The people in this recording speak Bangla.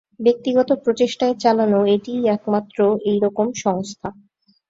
ব্যক্তিগত প্রচেষ্টায় চালানো এটিই একমাত্র এই রকম সংস্থা।